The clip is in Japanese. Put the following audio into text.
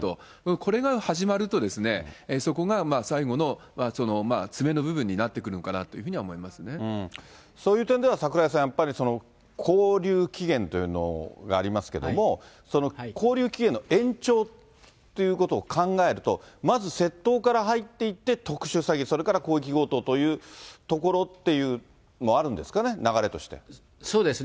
これが始まると、そこが最後の詰めの部分になってくるのかなというふうには思いまそういう点では、櫻井さん、やっぱり勾留期限というのがありますけれども、その勾留期限の延長っていうことを考えると、まず窃盗から入っていって、特殊詐欺、それから広域強盗というところっていうのもあそうですね。